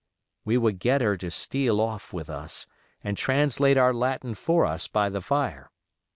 We would get her to steal off with us, and translate our Latin for us by the fire.